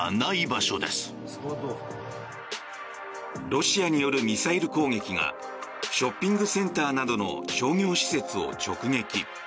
ロシアによるミサイル攻撃がショッピングセンターなどの商業施設を直撃。